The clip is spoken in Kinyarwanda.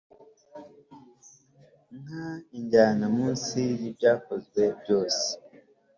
Nka injyana munsi y ibyakozwe byose